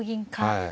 はい。